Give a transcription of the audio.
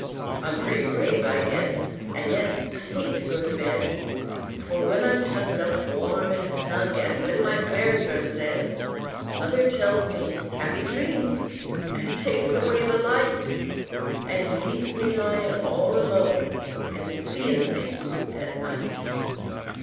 I'm pretty brave I guess; an' yet I hate to go to bed, For, when I'm tucked up warm an snug an' when my prayers are said, Mother tells me "Happy Dreams" an' takes away the light, An' leaves me lyin' all alone an' seein' things at night!